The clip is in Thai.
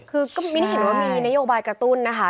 คือก็มิ้นเห็นว่ามีนโยบายกระตุ้นนะคะ